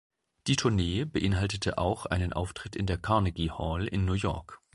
Die Tournee beinhaltete auch einen Auftritt in der Carnegie Hall in New York.